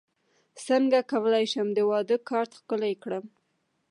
څنګه کولی شم د واده کارت ښکلی کړم